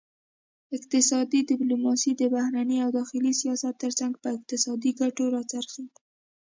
اقتصادي ډیپلوماسي د بهرني او داخلي سیاست ترڅنګ په اقتصادي ګټو راڅرخي